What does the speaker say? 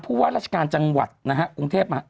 ผู้ว่าราชการจังหวัดกรุงเทพฯ